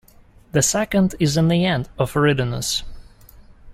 The second is in the end of Eridanus.